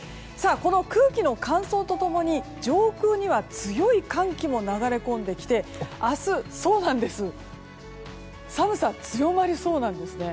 この空気の乾燥と共に上空には強い寒気も流れ込んできて明日、寒さ強まりそうなんです。